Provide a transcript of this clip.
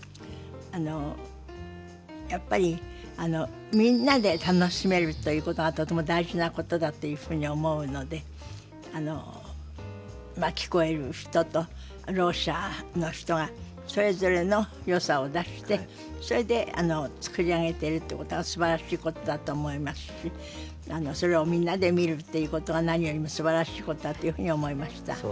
あのやっぱりみんなで楽しめるということがとても大事なことだっていうふうに思うので聞こえる人とろう者の人がそれぞれのよさを出してそれで作り上げてるっていうことがすばらしいことだと思いますしそれをみんなで見るっていうことが何よりもすばらしいことだというふうに思いました。